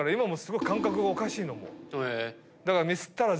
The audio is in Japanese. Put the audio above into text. だから。